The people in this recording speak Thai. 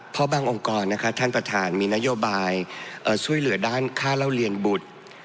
เพราะบางองค์กรนะคะท่านประธานมีนโยบายช่วยเหลือด้านค่าเล่าเรียนบุตร